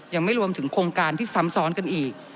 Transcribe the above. ยังไม่รวมถึงโครงการที่ซ้ำซ้อนกันอีก